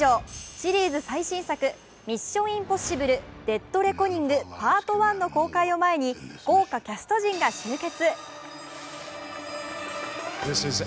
シリーズ最新作、「ミッション：インポッシブル／デッドレコニングＰＡＲＴＯＮＥ」の公開を前に豪華キャスト陣が集結。